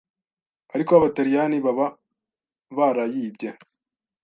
ariko abataliyani baba barayibye